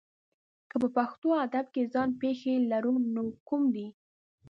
که په پښتو ادب کې ځان پېښې لرو نو کوم دي؟